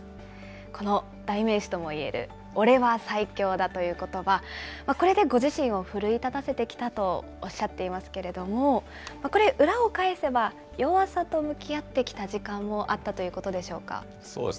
この代名詞ともいえるおれは最強だということば、これでご自身を奮い立たせてきたとおっしゃってますけれども、これ、裏を返せば、弱さと向き合ってきた時間もあっそうですね。